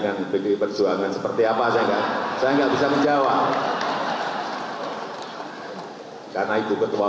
kami ingin meminta ketua umum dpp partai golkar